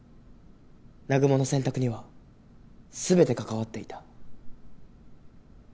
南雲の選択には全て関わっていた。